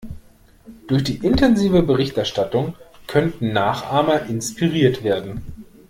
Durch die intensive Berichterstattung könnten Nachahmer inspiriert werden.